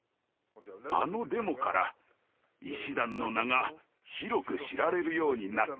あのデモから医師団の名が広く知られるようになったのです。